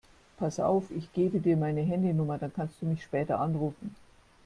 Pass auf, ich gebe dir meine Handynummer, dann kannst du mich später anrufen.